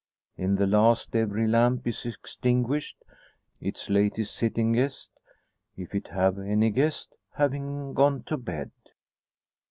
In the last every lamp is extinguished, its latest sitting guest if it have any guest having gone to bed.